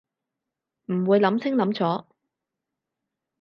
唔會諗清諗楚